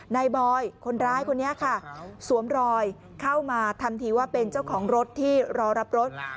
บอยคนร้ายคนนี้ค่ะสวมรอยเข้ามาทำทีว่าเป็นเจ้าของรถที่รอรับรถ